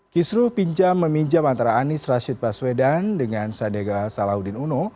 kisru pinjam meminjam antara anis rashid baswedan dengan sandega salahuddin uno